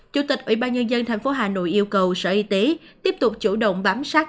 chủ tịch ủy ban nhân dân tp hà nội yêu cầu sở y tế tiếp tục chủ động bám sát